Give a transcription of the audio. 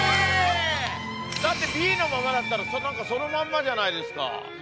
だってＢのままだったら何かそのままじゃないですか。